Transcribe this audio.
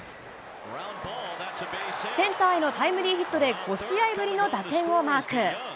センターへのタイムリーヒットで５試合ぶりの打点をマーク。